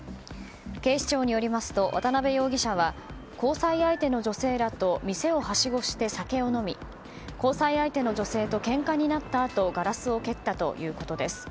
警視庁によりますと渡辺容疑者は交際相手の女性らと店をはしごして酒を飲み交際相手の女性とけんかになったあとガラスを蹴ったということです。